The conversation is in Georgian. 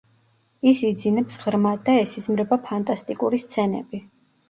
ის იძინებს ღრმად და ესიზმრება ფანტასტიკური სცენები.